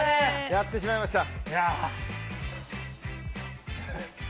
やってしまいました。